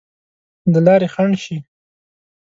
د لارې خنډ شي.